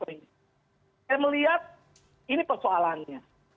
saya melihat ini persoalannya